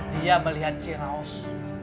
dia melihat ciraus